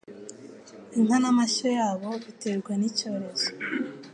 inka namashyo yabo biterwa nicyorezo